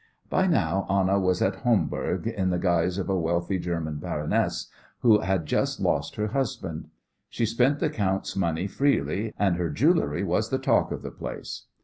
By now Anna was at Homburg in the guise of a wealthy German baroness who had just lost her husband. She spent the count's money freely, and her jewellery was the talk of the place.